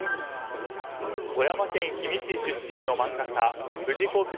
富山県氷見市出身の漫画家藤子